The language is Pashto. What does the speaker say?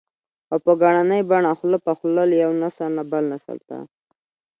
او په ګړنۍ بڼه خوله په خوله له يوه نسل نه بل نسل ته